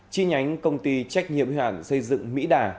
chi nhánh công ty trách nhiệm huyện xây dựng mỹ đà